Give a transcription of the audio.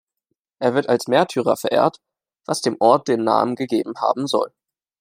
Er wird als Märtyrer verehrt, was dem Ort den Namen gegeben haben soll.